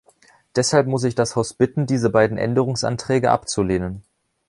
Deshalb muss ich das Haus bitten, diese beiden Änderungsanträge abzulehnen.